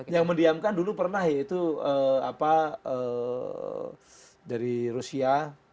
yang mendiamkan dulu pernah ya itu dari rusia